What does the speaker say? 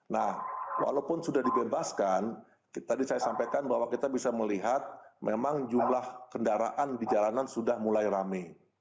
nah walaupun sudah dibebaskan tadi saya sampaikan bahwa kita bisa melihat memang jumlah kendaraan di jalanan sudah mulai rame